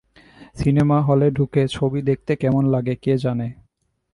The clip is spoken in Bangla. সিনেমা হলে ঢুকে ছবি দেখতে কেমন লাগে কে জানে!